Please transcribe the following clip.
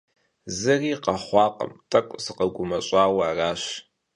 Зыри къэхъуакъым, тӏэкӏу сыкъэгумэщӏауэ аращ.